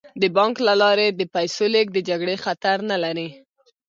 د بانک له لارې د پیسو لیږد د جګړې خطر نه لري.